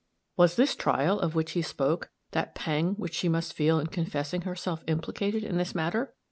Was this trial, of which he spoke, that pang which she must feel in confessing herself implicated in this matter?